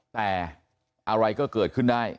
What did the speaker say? แต่อะไรก็เกิดขึ้นได้